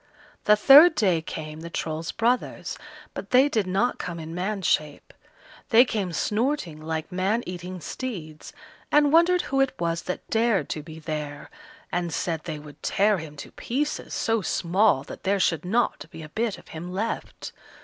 The third day came the Troll's brothers, but they did not come in man's shape. They came snorting like man eating steeds, and wondered who it was that dared to be there, and said they would tear him to pieces, so small that there should not be a bit of him left.